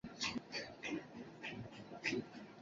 不料太宗突然暴毙。